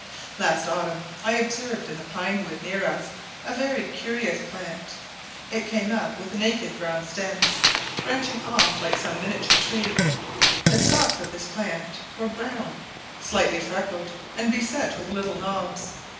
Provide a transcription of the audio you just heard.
Last autumn I observed in the pine wood near us a very curious plant; it came up with naked brown stems, branching off like some miniature tree; the stalks of this plant were brown, slightly freckled and beset with little knobs.